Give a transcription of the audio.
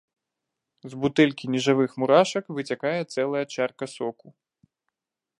З бутэлькі нежывых мурашак выцякае цэлая чарка соку.